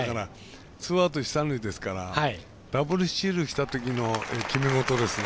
ツーアウト、一、三塁ですからダブルスチールきたときの決めごとですね。